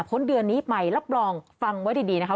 พ้นเดือนนี้ไปแล้วปลอมฟังไว้ดีนะคะ